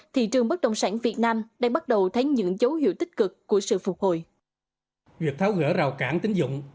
thị trường bất động sản việt nam đang bắt đầu thấy những dấu hiệu tích cực của sự phục hồi